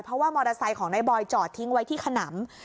เพราะว่ามอเตอร์ไซค์ของนายบอยจอดทิ้งไว้ที่ขนำ